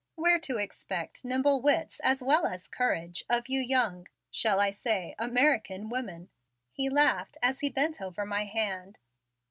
"We're to expect nimble wits as well as courage of you young shall I say American women?" he laughed as he bent over my hand.